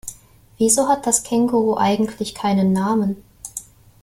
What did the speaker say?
Wieso hat das Känguru eigentlich keinen Namen?